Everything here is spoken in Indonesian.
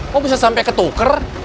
kok bisa sampai ketuker